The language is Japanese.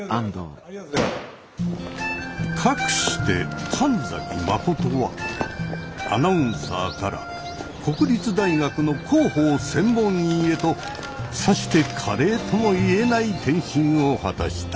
かくして神崎真はアナウンサーから国立大学の広報専門員へとさして華麗ともいえない転身を果たした。